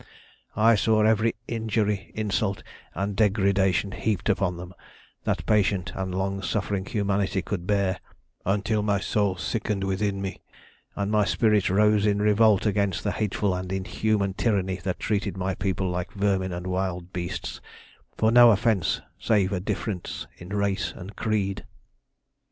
"I saw every injury, insult, and degradation heaped upon them that patient and long suffering humanity could bear, until my soul sickened within me, and my spirit rose in revolt against the hateful and inhuman tyranny that treated my people like vermin and wild beasts, for no offence save a difference in race and creed.